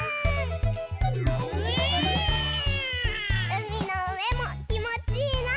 うみのうえもきもちいいな。